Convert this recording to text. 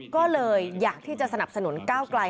ก็เลยอยากที่จะสนับสนุนก้าวไกล